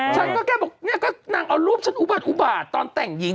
ฉันก็แค่บอกเนี่ยก็นางเอารูปฉันอุบัติอุบาตตอนแต่งหญิง